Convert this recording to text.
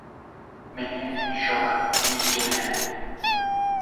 Мяне нічога не здзіўляе.